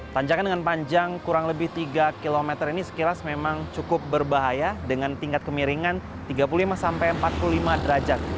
tanjakan dengan panjang kurang lebih tiga km ini sekilas memang cukup berbahaya dengan tingkat kemiringan tiga puluh lima sampai empat puluh lima derajat